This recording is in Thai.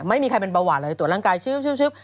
ไม่มีใครเป็นเบาหวานเลยตรวจร่างกายชืบ